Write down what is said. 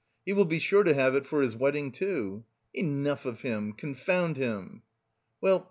He will be sure to have it for his wedding, too! Enough of him, confound him! "Well